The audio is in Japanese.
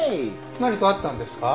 何かあったんですか？